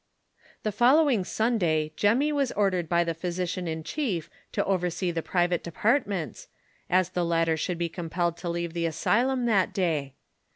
The following Sunday Jemmy was ordered by the physician in chief to oversee the private departments, as the latter should be compelled to leave the asylum that day.